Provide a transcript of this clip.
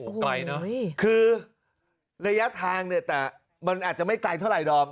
ไกลเนอะคือระยะทางเนี่ยแต่มันอาจจะไม่ไกลเท่าไหดอม